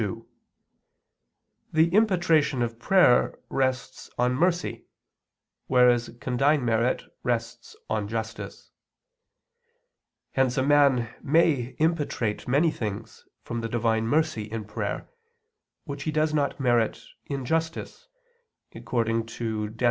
2: The impetration of prayer rests on mercy, whereas condign merit rests on justice; hence a man may impetrate many things from the Divine mercy in prayer, which he does not merit in justice, according to Dan.